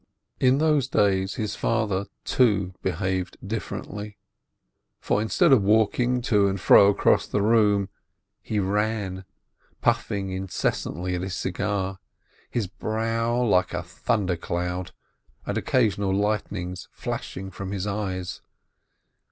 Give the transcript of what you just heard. In those days his father, too, behaved differently, for, instead of walking to and fro across the room, he ran, puffing incessantly at his cigar, his brow like a thunder cloud and occasional lightnings flashing from his eyes.